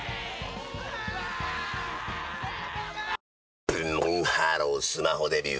ブンブンハロースマホデビュー！